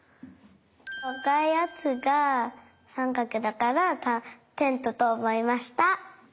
あかいやつがさんかくだからテントとおもいました。